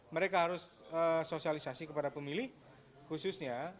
mereka harus sosialisasi kepada pemilih khususnya